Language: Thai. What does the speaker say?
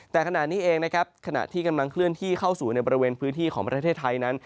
แต่ขณะนี้เองนะครับขณะที่กำลังเคลื่อนที่เข้าสู่ในบริเวณพื้นที่ของประเทศไทยนั้น